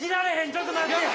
ちょっと待ってよ。